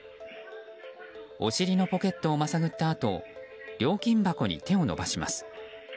お尻のポケットをまさぐったあと料金箱に手を伸ばします。